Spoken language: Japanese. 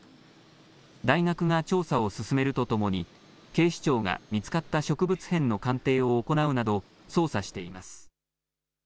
大学が調査を進めるとともに警視庁が見つかった植物片の鑑定を行うなど捜査しています。